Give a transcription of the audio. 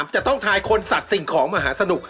จะต้องทายคนสัตว์สิ่งของมหาสนุก